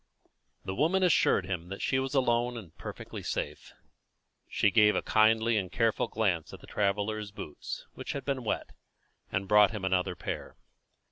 The woman assured him that she was alone, and perfectly safe. She gave a kindly and careful glance at the traveller's boots, which had been wet, and brought him another pair.